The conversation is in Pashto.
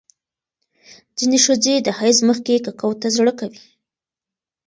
ځینې ښځې د حیض مخکې ککو ته زړه کوي.